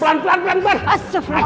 pelan pelan pelan